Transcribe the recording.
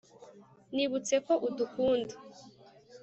nibutse ko udukunda